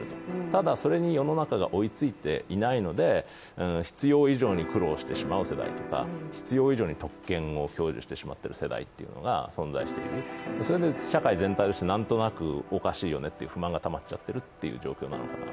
ただ、それに世の中が追いついていないので必要以上に苦労してしまってる世代とか、必要以上に特権を享受してしまっている世代が存在してしまっている、それで社会全体として、なんとなくおかしいよねという不満がたまっちゃっているということなのかな。